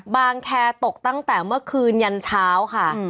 แคร์ตกตั้งแต่เมื่อคืนยันเช้าค่ะ